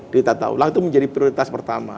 ditata ulang itu menjadi prioritas pertama